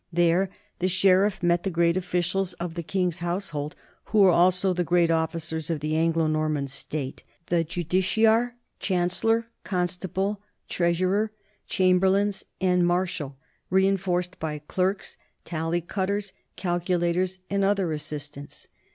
There the sheriff met the great officials of the king's household who were also the great officers of the Anglo Norman state the justiciar, chancellor, constable, treasurer, chamberlains, and marshal, reenforced by clerks, tally cutters, calcu lators, and other assistants.